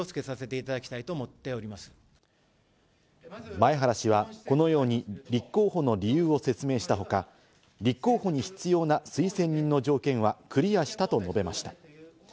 前原氏はこのように立候補の理由を説明した他、立候補に必要な推薦人の条件はクリアしたと述べました。